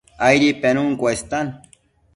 Aidi penun cuestan